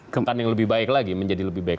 kempan yang lebih baik lagi menjadi lebih baik